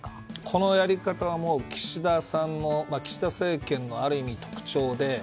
このやり方は、もう岸田さんの、岸田政権のある意味、特徴で。